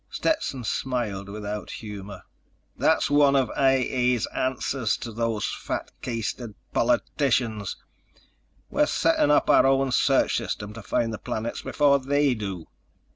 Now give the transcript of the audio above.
Stetson smiled without humor. "That's one of I A's answers to those fat keistered politicians. We're setting up our own search system to find the planets before they do.